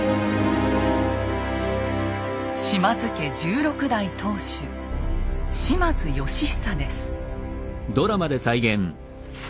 島津家１６代当主島津義久です。